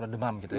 demam gitu ya